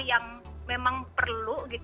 yang memang perlu